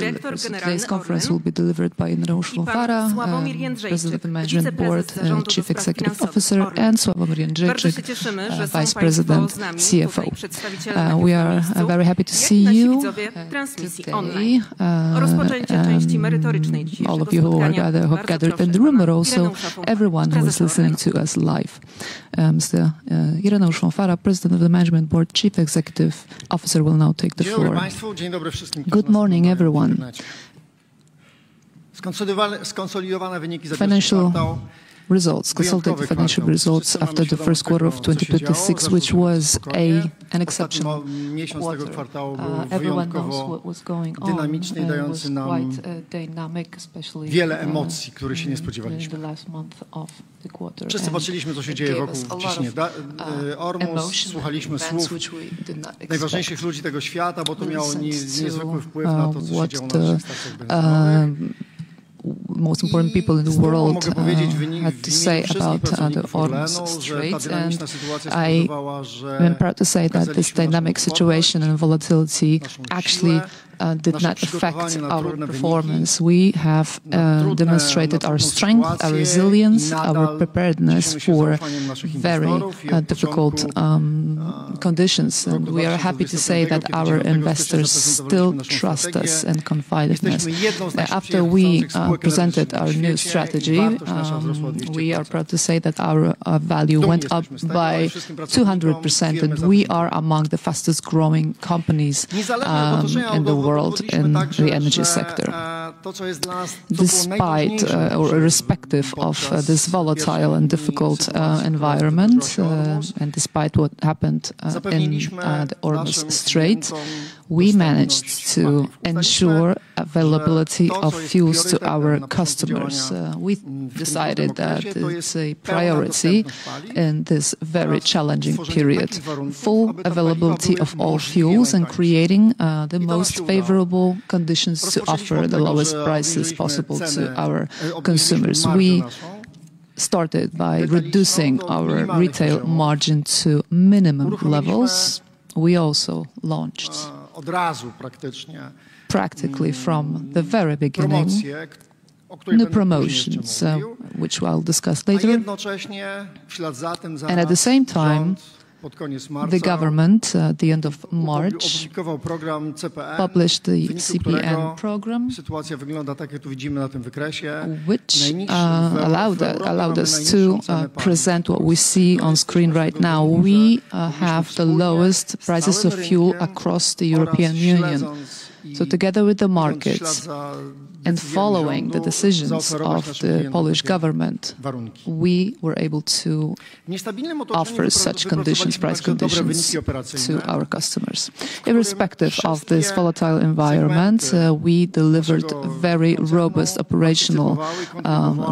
Today's conference will be delivered by Ireneusz Fąfara, President of the Management Board and Chief Executive Officer and Sławomir Jędrzejczyk, the Vice President of the Management Board, CFO. We are very happy that you are with us today, both in person and as viewers of the live stream. To begin the substantive part of today's presentation, Ireneusz Fąfara, the President of the Management Board and Chief Executive Officer will now take the floor. Good morning everyone. Consolidated financial results after the first quarter of 2026, which was an exceptional quarter. Everyone knows what was going on and it was quite dynamic, especially in the last month of the quarter. It gave us a lot of emotional events which we did not expect. Listens to what the most important people in the world had to say about the ORLEN shares. I'm proud to say that this dynamic situation and volatility actually did not affect our performance. We have demonstrated our strength, our resilience, our preparedness for very difficult conditions. We are happy to say that our investors still trust us and confide in us. After we presented our new strategy, we are proud to say that our value went up by 200%, and we are among the fastest-growing companies in the world in the energy sector. Despite, or irrespective of this volatile and difficult environment, and despite what happened in the ORLEN shares, we managed to ensure availability of fuels to our customers. We decided that is a priority in this very challenging period. Full availability of all fuels and creating the most favorable conditions to offer the lowest prices possible to our consumers. We started by reducing our retail margin to minimum levels. We also launched, practically from the very beginning, new promotions, which I'll discuss later. At the same time, the government, at the end of March, published the CPN program, which allowed us to present what we see on screen right now. We have the lowest prices of fuel across the European Union. Together with the markets, and following the decisions of the Polish government, we were able to offer such price conditions to our customers. Irrespective of this volatile environment, we delivered very robust operational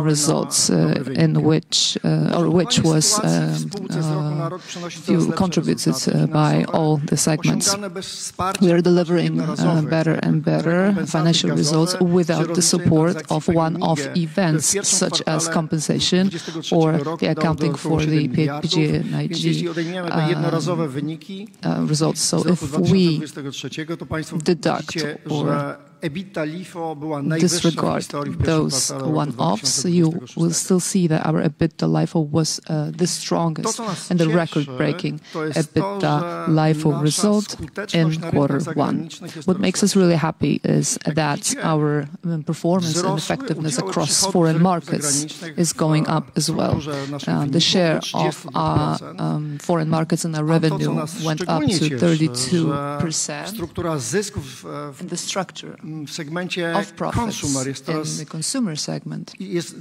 results, which was contributed to by all the segments. We are delivering better and better financial results without the support of one-off events such as compensation or the accounting for the PGNiG results. If we deduct or disregard those one-offs, you will still see that our EBITDA LIFO was the strongest and a record-breaking EBITDA LIFO result in quarter one. What makes us really happy is that our performance and effectiveness across foreign markets is going up as well. The share of our foreign markets and the revenue went up to 32%. The structure of profits in the consumer segment has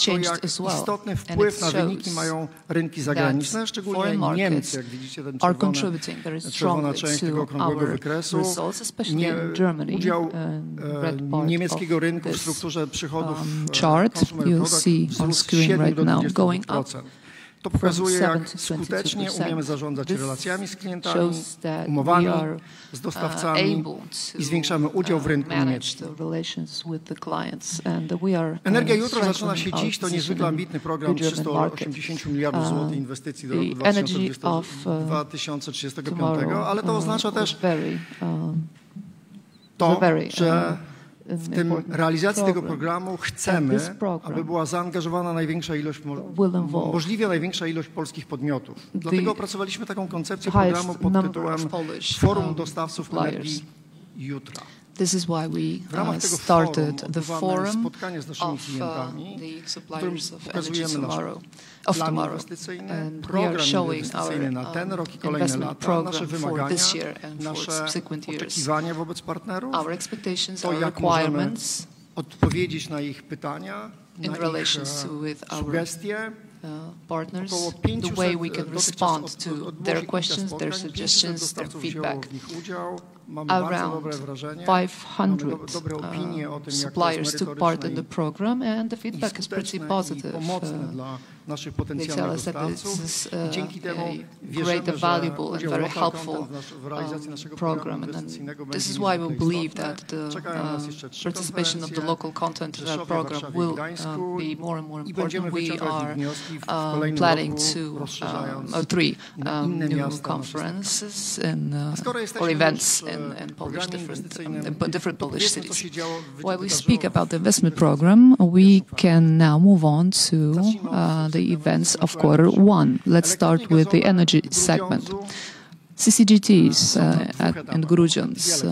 changed as well, and it shows that foreign markets are contributing very strongly to our results, especially in Germany. The red part of this chart you see on screen right now, going up from 7%-22%. This shows that we are able to manage the relations with the clients, and we are strengthening our position in the German markets. The Energy of Tomorrow is a very important program. This program will involve the highest number of Polish suppliers. This is why we started the Forum of the Suppliers of Tomorrow, and we are showing our investment program for this year and for subsequent years. Our expectations, our requirements in relations with our partners, the way we can respond to their questions, their suggestions, their feedback. Around 500 suppliers took part in the program, and the feedback is pretty positive. They tell us that this is a great, valuable, and very helpful program. This is why we believe that the participation of the local content program will be more and more important. We are planning three new conferences or events in different Polish cities. While we speak about the investment program, we can now move on to the events of quarter one. Let's start with the energy segment. CCGTs in Grudziądz,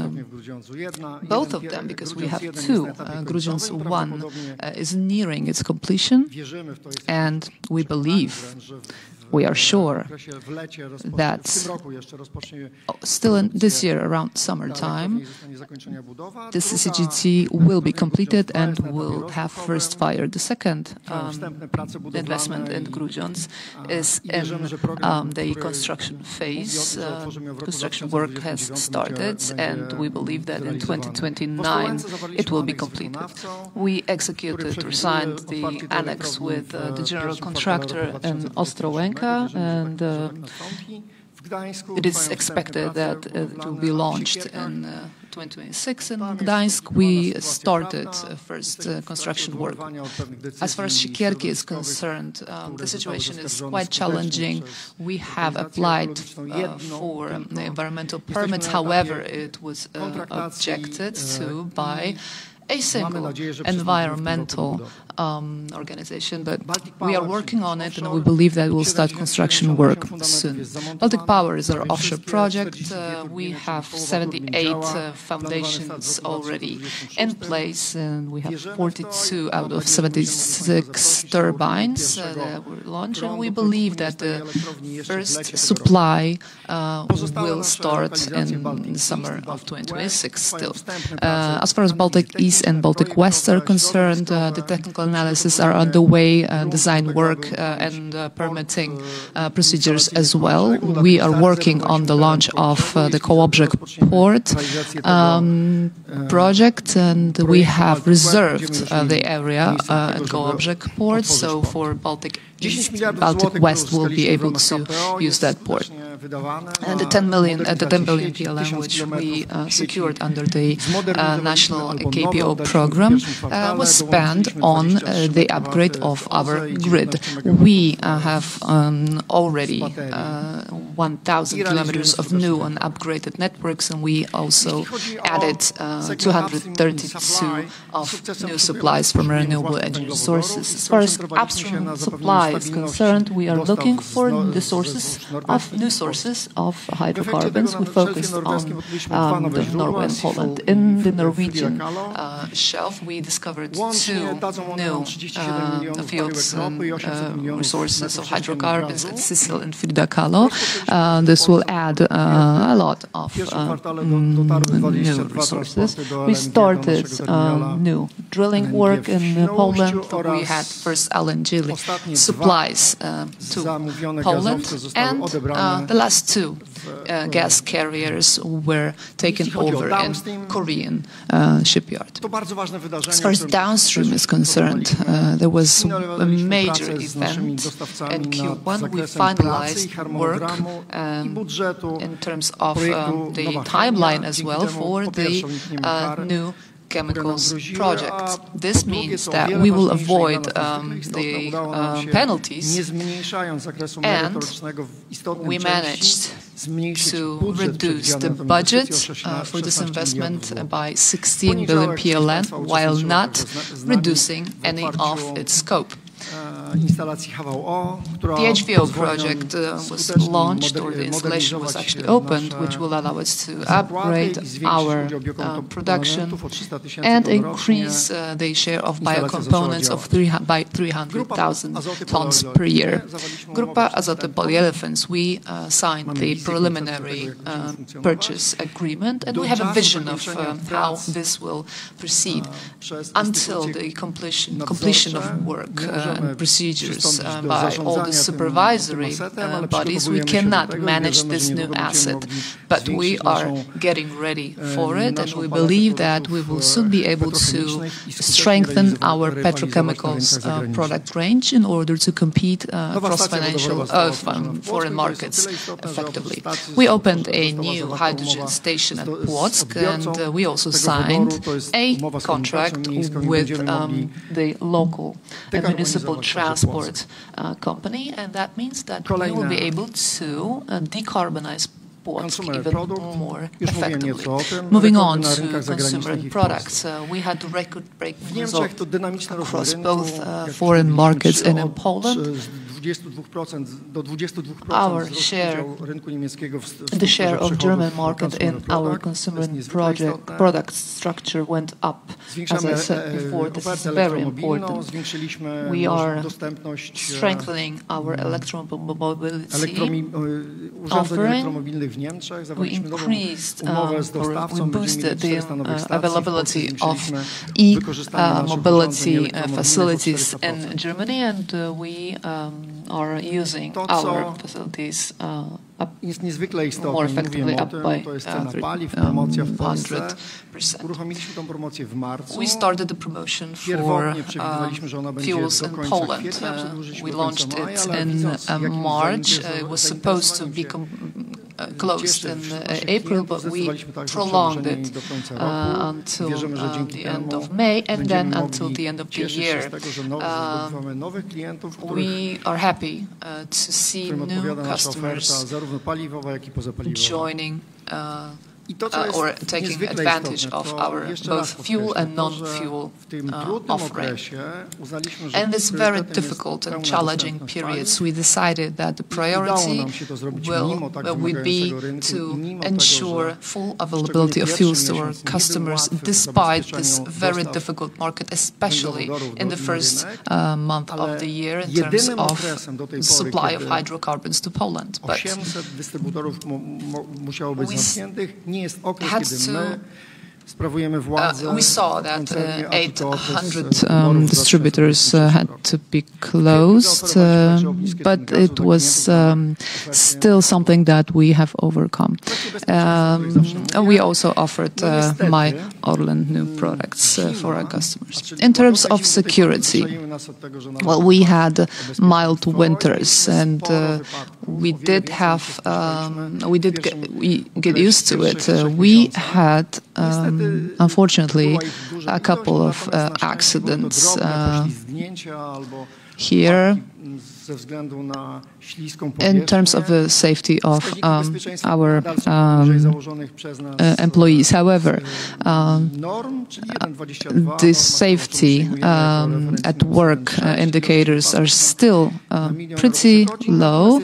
both of them, because we have two. Grudziądz one is nearing its completion, and we believe, we are sure that still this year, around summertime, this CCGT will be completed and will have first fire. The second investment in Grudziądz is in the construction phase. Construction work has started, and we believe that in 2029 it will be completed. We executed or signed the annex with the general contractor in Ostrołęka, and it is expected that it will be launched in 2026 in Gdańsk. We started first construction work. As far as Siekierki is concerned, the situation is quite challenging. We have applied for the environmental permits. However, it was objected to by a single environmental organization. We are working on it, and we believe that we'll start construction work soon. Baltic Power is our offshore project. We have 78 foundations already in place, and we have 42 out of 76 turbines that we're launching. We believe that the first supply will start in the summer of 2026 still. As far as Baltic East and Baltic West are concerned, the technical analyses are on the way, design work and permitting procedures as well. We are working on the launch of the Kołobrzeg Port project, and we have reserved the area at Kołobrzeg Port. For Baltic East, Baltic West will be able to use that port. The 10 million which we secured under the national KPO program was spent on the upgrade of our grid. We have already 1,000 km of new and upgraded networks, and we also added 232 of new supplies from renewable energy sources. As far as upstream supply is concerned, we are looking for new sources of hydrocarbons. We focus on Norway and Poland. In the Norwegian shelf, we discovered two new fields, some resources of hydrocarbons at Sissel and Frida Kahlo. This will add a lot of new resources. We started new drilling work in Poland, where we had first LNG supplies to Poland, and the last two gas carriers were taken over in Korean shipyard. As far as downstream is concerned, there was a major event in Q1 to finalize work in terms of the timeline as well for the new chemicals project. This means that we will avoid the penalties, and we managed to reduce the budget for this investment by 16 billion PLN, while not reducing any of its scope. The HVO project was launched, or the installation was actually opened, which will allow us to upgrade our production and increase the share of bio components by 300,000 tons per year. Grupa Azoty Polyolefins, we signed the preliminary purchase agreement, and we have a vision of how this will proceed. Until the completion of work and procedures by all the supervisory bodies, we cannot manage this new asset. We are getting ready for it, and we believe that we will soon be able to strengthen our petrochemicals product range in order to compete across foreign markets effectively. We opened a new hydrogen station at Płock, and we also signed a contract with the local municipal transport company, and that means that we will be able to decarbonize Puck even more effectively. Moving on to consumer products, we had a record-breaking result across both foreign markets and in Poland. The share of German market in our consumer product structure went up. As I said before, this is very important. We are strengthening our electromobility offering. We boosted the availability of e-mobility facilities in Germany, and we are using our facilities more effectively up by 300%. We started the promotion for fuels in Poland. We launched it in March. It was supposed to be closed in April, but we prolonged it until the end of May and then until the end of the year. We are happy to see new customers joining or taking advantage of our both fuel and non-fuel offering. It's very difficult and challenging periods. We decided that the priority will be to ensure full availability of fuels to our customers despite this very difficult market, especially in the first month of the year in terms of supply of hydrocarbons to Poland. We saw that 800 distributors had to be closed, but it was still something that we have overcome. We also offered ORLEN new products for our customers. In terms of security, we had mild winters, and we did get used to it. We had, unfortunately, a couple of accidents here in terms of the safety of our employees. However, the safety at work indicators are still pretty low.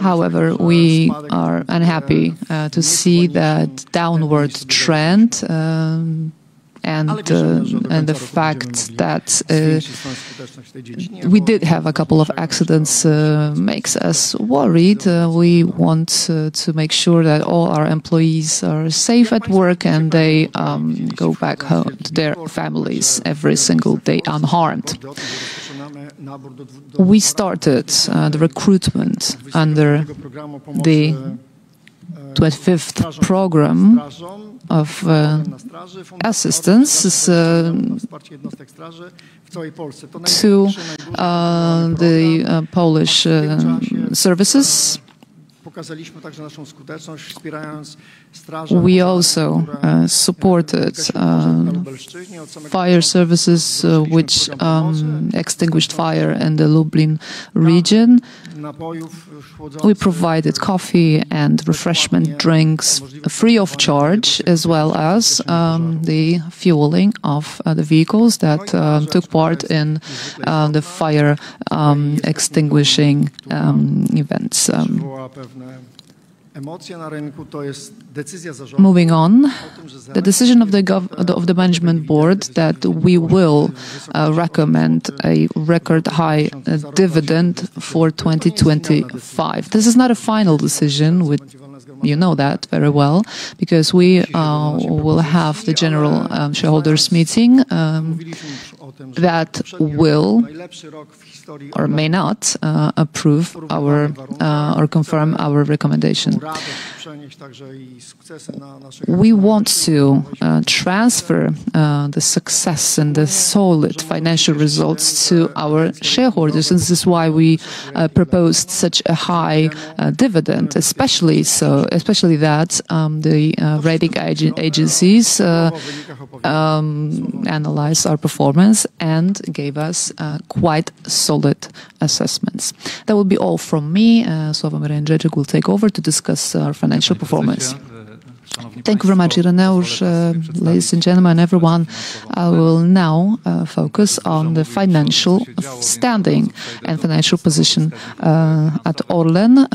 However, we are unhappy to see that downward trend, and the fact that we did have a couple of accidents makes us worried. We want to make sure that all our employees are safe at work, and they go back home to their families every single day unharmed. We started the recruitment under the 25th program of assistance to the Polish services. We also supported fire services, which extinguished fire in the Lublin region. We provided coffee and refreshment drinks free of charge, as well as the fueling of the vehicles that took part in the fire-extinguishing events. Moving on, the decision of the management board that we will recommend a record-high dividend for 2025. This is not a final decision, you know that very well, because we will have the general shareholders' meeting that will or may not approve or confirm our recommendation. We want to transfer the success and the solid financial results to our shareholders. This is why we proposed such a high dividend, especially that the rating agencies analyzed our performance and gave us quite solid assessments. That will be all from me. Sławomir Jędrzejczyk will take over to discuss our financial performance. Thank you very much, Ireneusz. Ladies and gentlemen, everyone, I will now focus on the financial standing and financial position at ORLEN.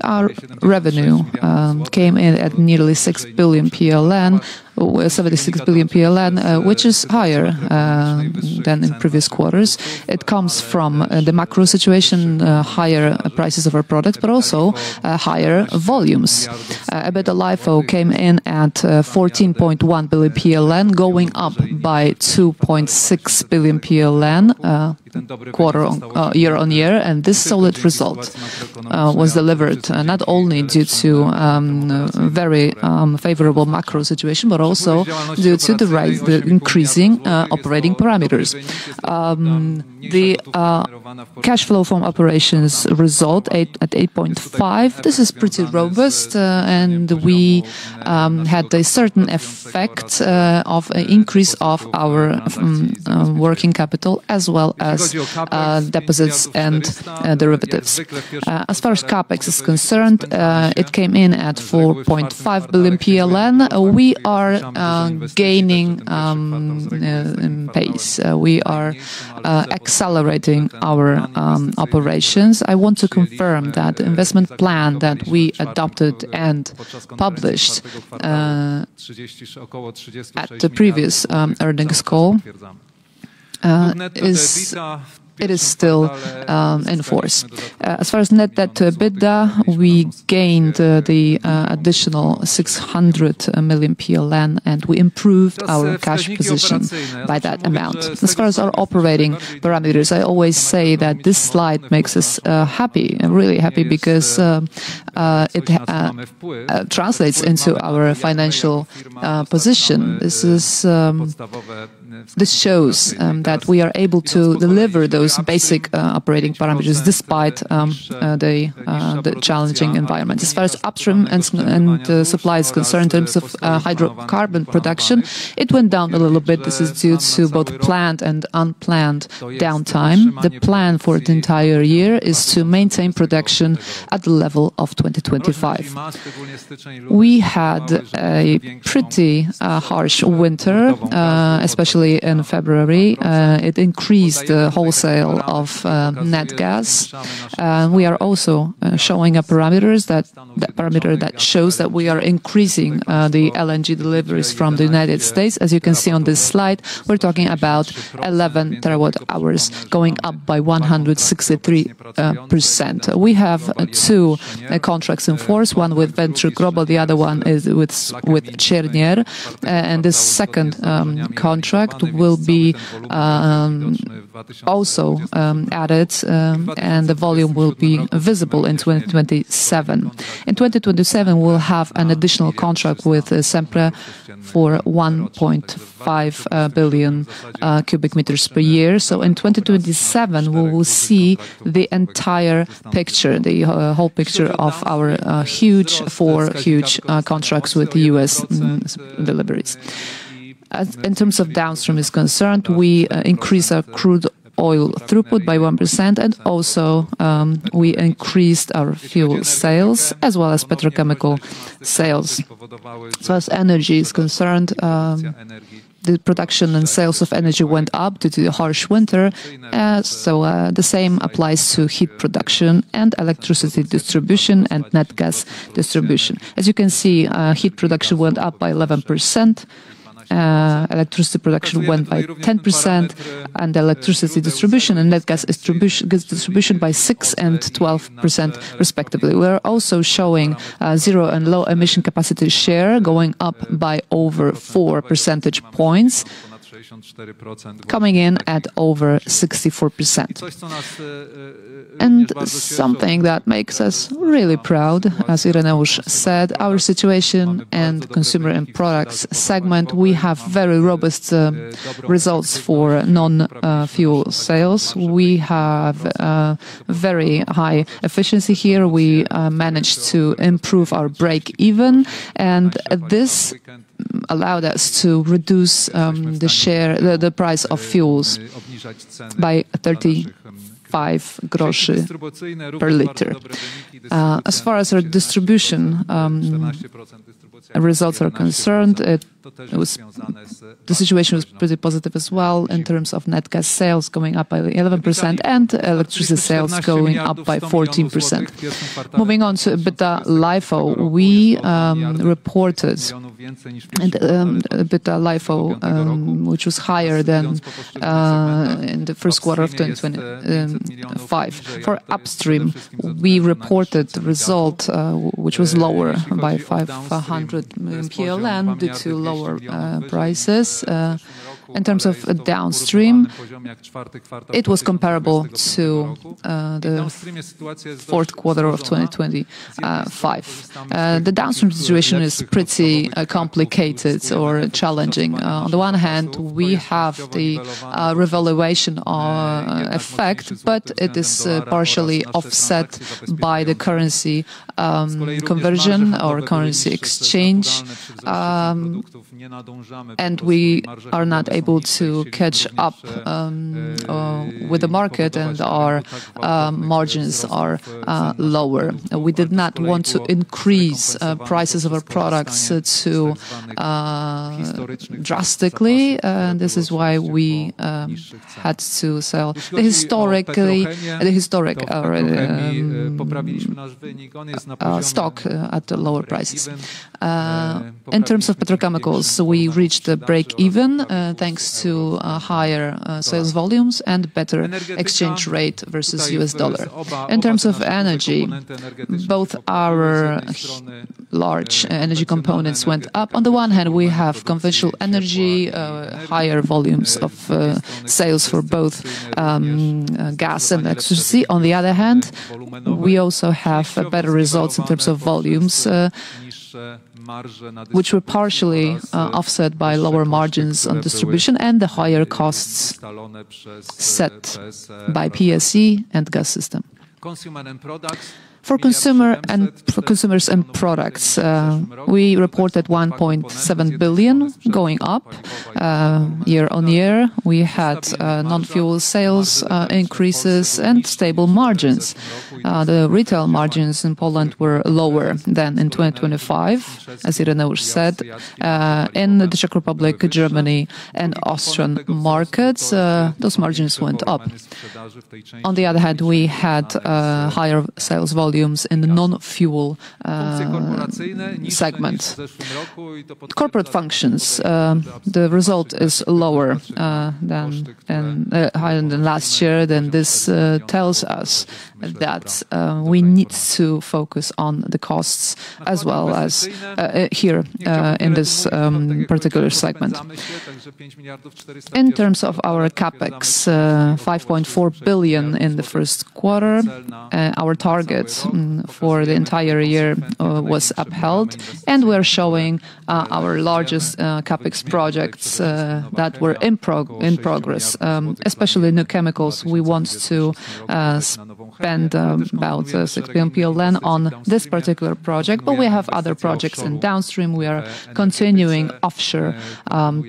Our revenue came in at nearly 76 billion PLN, which is higher than in previous quarters. It comes from the macro situation, higher prices of our product, but also higher volumes. EBITDA LIFO came in at 14.1 billion PLN, going up by 2.6 billion PLN year-on-year, and this solid result was delivered not only due to very favorable macro situation, but also due to the increasing operating parameters. The cash flow from operations result at 8.5 billion. This is pretty robust, and we had a certain effect of increase of our working capital as well as deposits and derivatives. As far as CapEx is concerned, it came in at 4.5 Billion PLN. We are gaining in pace. We are accelerating our operations. I want to confirm that the investment plan that we adopted and published at the previous earnings call, it is still in force. As far as net debt-to-EBITDA, we gained additional 600 million PLN, and we improved our cash position by that amount. As far as our operating parameters, I always say that this slide makes us happy, really happy, because it translates into our financial position. This shows that we are able to deliver those basic operating parameters despite the challenging environment. As far as upstream and supply is concerned in terms of hydrocarbon production, it went down a little bit. This is due to both planned and unplanned downtime. The plan for the entire year is to maintain production at the level of 2025. We had a pretty harsh winter, especially in February. It increased the wholesale of net gas. We are also showing a parameter that shows that we are increasing the LNG deliveries from the U.S. As you can see on this slide, we're talking about 11 TWh going up by 163%. We have two contracts in force, one with Venture Global, the other one is with Cheniere. This second contract will be also added, and the volume will be visible in 2027. In 2027, we'll have an additional contract with Sempra for 1.5 billion cubic meters per year. In 2027, we will see the entire picture, the whole picture of our four huge contracts with the U.S. deliveries. In terms of downstream is concerned, we increased our crude oil throughput by 1%, and also we increased our fuel sales as well as petrochemical sales. As far as energy is concerned, the production and sales of energy went up due to the harsh winter. The same applies to heat production and electricity distribution and natural gas distribution. As you can see, heat production went up by 11%, electricity production went by 10%, and electricity distribution and natural gas distribution by 6% and 12%, respectively. We are also showing zero and low emission capacity share going up by over four percentage points, coming in at over 64%. Something that makes us really proud, as Ireneusz said, our situation and consumer end products segment, we have very robust results for non-fuel sales. We have very high efficiency here. We managed to improve our break-even, and this allowed us to reduce the price of fuels by 0.35 per liter. As far as our distribution results are concerned, the situation was pretty positive as well in terms of natural gas sales going up by 11% and electricity sales going up by 14%. Moving on to EBITDA LIFO, we reported EBITDA LIFO, which was higher than in the first quarter of 2025. For upstream, we reported the result, which was lower by 500 million due to lower prices. In terms of downstream, it was comparable to the fourth quarter of 2025. The downstream situation is pretty complicated or challenging. On the one hand, we have the revaluation effect, but it is partially offset by the currency conversion or currency exchange, and we are not able to catch up with the market and our margins are lower. We did not want to increase prices of our products too drastically, and this is why we had to sell the historic stock at lower prices. In terms of petrochemicals, we reached the break even thanks to higher sales volumes and better exchange rate versus U.S. dollar. In terms of energy, both our large energy components went up. On the one hand, we have conventional energy, higher volumes of sales for both gas and electricity. We also have better results in terms of volumes, which were partially offset by lower margins on distribution and the higher costs set by PSE and gas system. For consumers and products, we reported 1.7 billion going up year-on-year. We had non-fuel sales increases and stable margins. The retail margins in Poland were lower than in 2025, as Ireneusz said. In the Czech Republic, Germany, and Austrian markets, those margins went up. We had higher sales volumes in the non-fuel segments. Corporate functions. The result is lower, higher than last year. This tells us that we need to focus on the costs as well as here in this particular segment. In terms of our CapEx, 5.4 billion in the first quarter. Our target for the entire year was upheld, and we're showing our largest CapEx projects that were in progress, especially in the chemicals. We want to spend about 6 billion PLN on this particular project. We have other projects in downstream. We are continuing offshore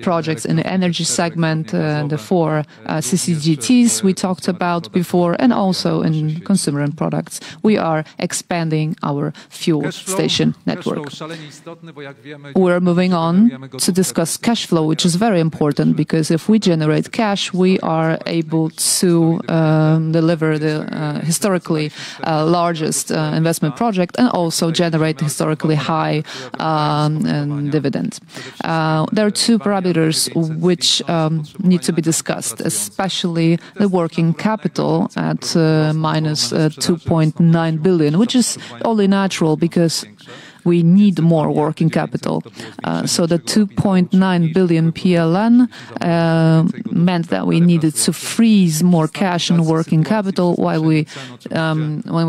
projects in the energy segment and the four CCGTs we talked about before. Also in consumer and products, we are expanding our fuel station network. We're moving on to discuss cash flow, which is very important because if we generate cash, we are able to deliver the historically largest investment project and also generate historically high dividends. There are two parameters which need to be discussed, especially the working capital at -2.9 billion, which is only natural because we need more working capital. The 2.9 billion PLN meant that we needed to freeze more cash and working capital while we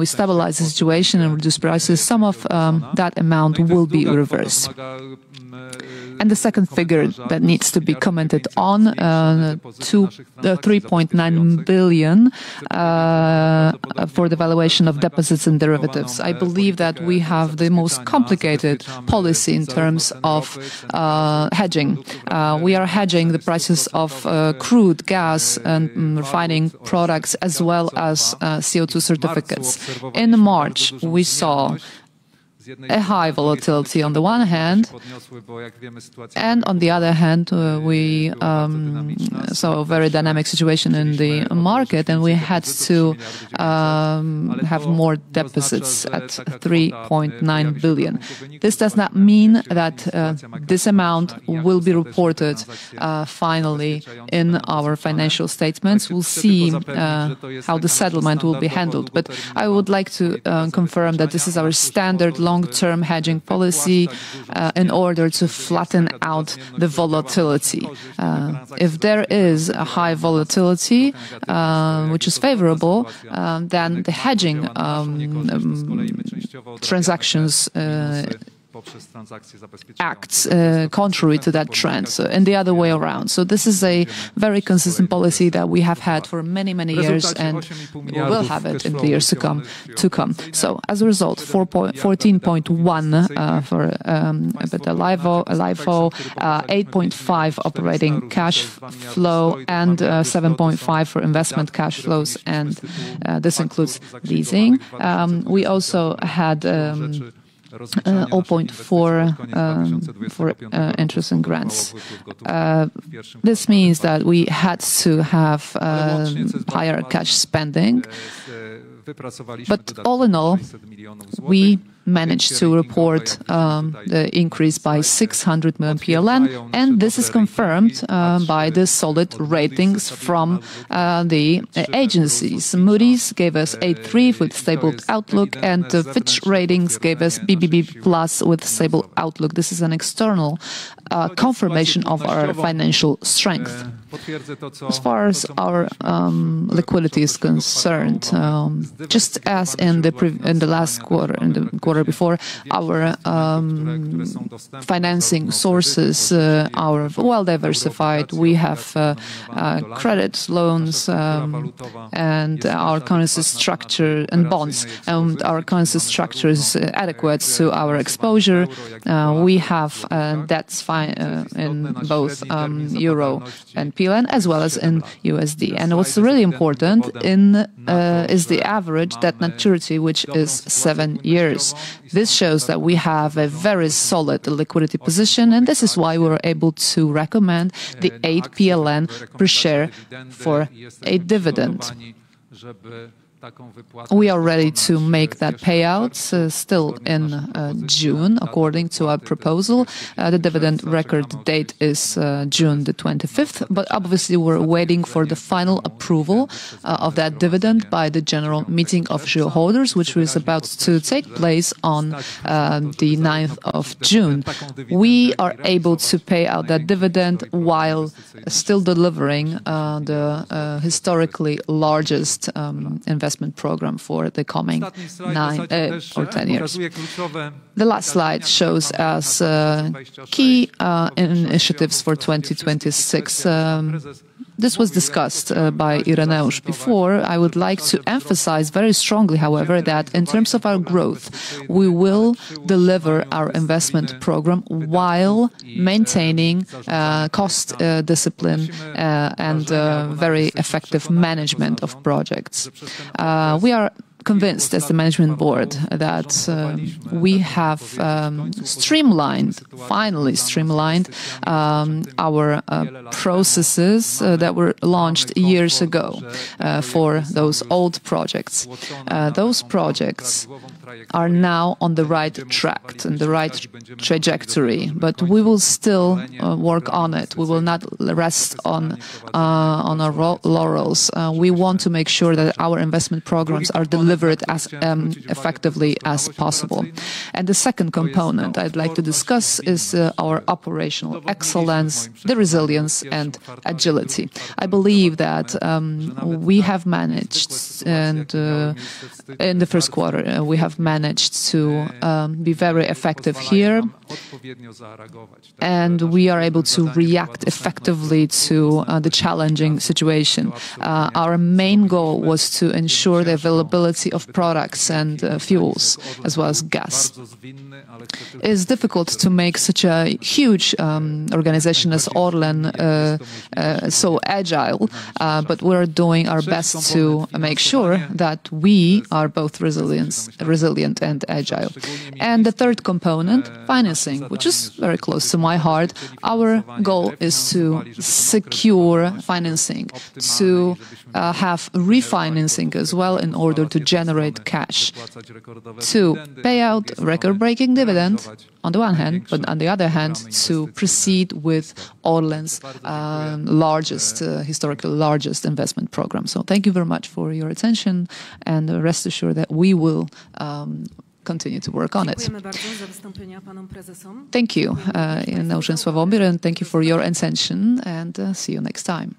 stabilize the situation and reduce prices. Some of that amount will be reversed. The second figure that needs to be commented on, the 3.9 billion for the valuation of deposits and derivatives. I believe that we have the most complicated policy in terms of hedging. We are hedging the prices of crude gas and refining products as well as CO2 certificates. In March, we saw a high volatility on the one hand, and on the other hand, we saw a very dynamic situation in the market, and we had to have more deficits at 3.9 billion. This does not mean that this amount will be reported finally in our financial statements. We'll see how the settlement will be handled. I would like to confirm that this is our standard long-term hedging policy in order to flatten out the volatility. If there is a high volatility, which is favorable, then the hedging transactions act contrary to that trend, and the other way around. This is a very consistent policy that we have had for many, many years and will have it in the years to come. As a result, 14.1 billion for EBITDA LIFO, 8.5 billion operating cash flow and 7.5 billion for investment cash flows, and this includes leasing. We also had [0.4 billion] interest and grants. This means that we had to have higher cash spending. All in all, we managed to report the increase by 600 million PLN, and this is confirmed by the solid ratings from the agencies. Moody's gave us A3 with stable outlook, and Fitch Ratings gave us BBB+ with stable outlook. This is an external confirmation of our financial strength. As far as our liquidity is concerned, just as in the last quarter and the quarter before, our financing sources are well diversified. We have credit loans and our currency structure and bonds, and our currency structure is adequate to our exposure. We have debts in both euro and PLN as well as in USD. What's really important is the average debt maturity, which is seven years. This shows that we have a very solid liquidity position, and this is why we were able to recommend the 8 PLN per share for a dividend. We are ready to make that payout still in June, according to our proposal. The dividend record date is June 25th. Obviously, we're waiting for the final approval of that dividend by the general meeting of shareholders, which is about to take place on June 9th. We are able to pay out that dividend while still delivering the historically largest investment program for the coming nine or 10 years. The last slide shows us key initiatives for 2026. This was discussed by Ireneusz before. I would like to emphasize very strongly, however, that in terms of our growth, we will deliver our investment program while maintaining cost discipline, and very effective management of projects. We are convinced as the management board that we have finally streamlined our processes that were launched years ago, for those old projects. Those projects are now on the right track, and the right trajectory. We will still work on it. We will not rest on our laurels. We want to make sure that our investment programs are delivered as effectively as possible. The second component I'd like to discuss is our operational excellence, the resilience and agility. I believe that we have managed, and in the first quarter, we have managed to be very effective here, and we are able to react effectively to the challenging situation. Our main goal was to ensure the availability of products and fuels, as well as gas. It's difficult to make such a huge organization as ORLEN so agile. We're doing our best to make sure that we are both resilient and agile. The third component, financing, which is very close to my heart. Our goal is to secure financing, to have refinancing as well in order to generate cash, to pay out record-breaking dividends on the one hand, but on the other hand, to proceed with ORLEN's historical largest investment program. Thank you very much for your attention, and rest assured that we will continue to work on it. Thank you, Sławomir Jędrzejczyk, and thank you for your attention, and see you next time.